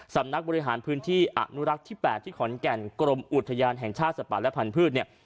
สำนักบริหารพื้นที่อนุรักษ์ที่๘ที่ขอนแก่นกรมอุทยานแห่งชาติสัตว์ป่าและพันธุ์เนี่ย